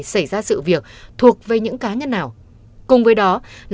xảy ra sự việc thuộc về những cá nhân nào